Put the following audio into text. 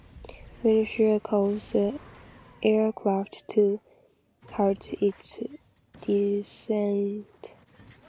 Wind shear caused the aircraft to halt its descent.